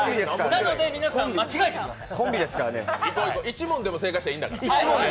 なので皆さん間違えてください。